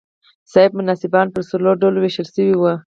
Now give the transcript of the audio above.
صاحب منصبان پر څلورو ډلو وېشل شوي وو.